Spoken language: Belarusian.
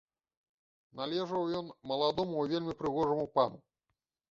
Належаў ён маладому і вельмі прыгожаму пану.